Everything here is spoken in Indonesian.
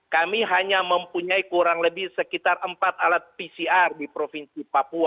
kami hanya mempunyai kurang lebih sekitar empat alat pcr di provinsi papua